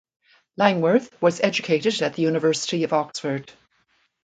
Langworth was educated at the University of Oxford.